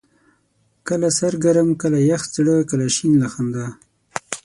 کله سر ګرم ، کله يخ زړه، کله شين له خندا